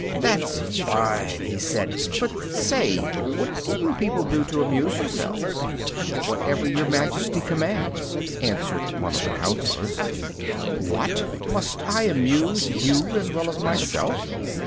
"That's fine!" he said; "but say what do you people do to amuse yourselves?" "Whatever your Majesty commands," answered one of the councilors. "What! must I amuse you as well as myself?